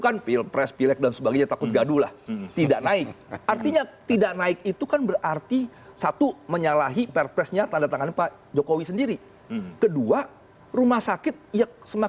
kali lima bulan kali sembilan puluh enam delapan juta